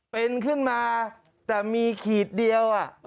เป็นขึ้นมาแต่มีขีดเดียว